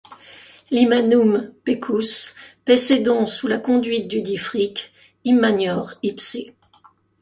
L’immanum pecus paissait donc sous la conduite dudit Frik, — immanior ipse.